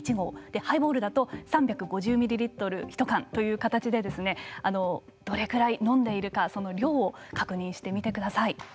ハイボールだと３５０ミリリットル１缶という形でどれぐらい飲んでいるかその量を確認してみてください。